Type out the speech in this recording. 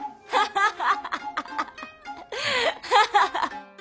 ハハハハハ。